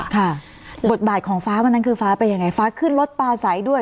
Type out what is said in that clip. ค่ะบทบาทของฟ้าวันนั้นคือฟ้าเป็นยังไงฟ้าขึ้นรถปลาใสด้วย